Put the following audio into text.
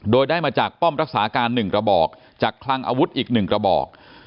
โดยได้มาจากป้อมรักษาการ๑กระบอกจากคลังอาวุธอีก๑กระบอก